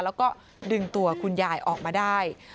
แล้วก็ดึงตัวคุณยายออกมาได้